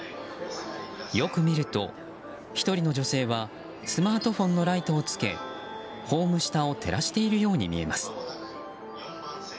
よく見ると１人の女性はスマートフォンのライトをつけホーム下を照らしているように見えます。